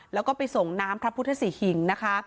แล้วก็ไปส่งน้ำพระพุทธศรีหิงนะคะ